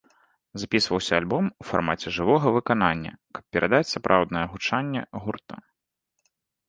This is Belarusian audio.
Запісваўся альбом у фармаце жывога выканання, каб перадаць сапраўднае гучанне гурта.